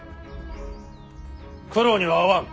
九郎には会わん。